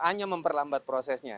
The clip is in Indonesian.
hanya memperlambat prosesnya